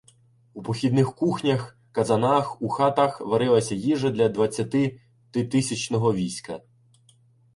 У похідних кухнях, казанах, у хатах варилася їжа для двадця- титисячного війська.